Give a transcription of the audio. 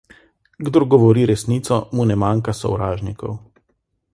Kdor govori resnico, mu ne manjka sovražnikov.